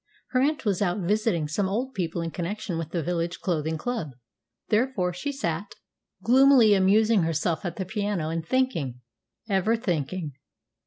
Her aunt was out visiting some old people in connection with the village clothing club, therefore she sat gloomily amusing herself at the piano, and thinking ever thinking.